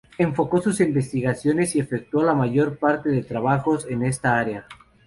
Enfocó sus investigaciones y efectuó la mayor parte de trabajos en esta área.